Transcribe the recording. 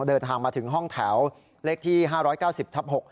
เดินทางมาถึงห้องแถวเลขที่๕๙๐ทับ๖